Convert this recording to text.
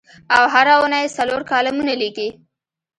او هره اوونۍ څلور کالمونه لیکي.